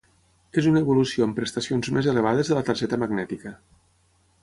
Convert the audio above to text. És una evolució amb prestacions més elevades de la targeta magnètica.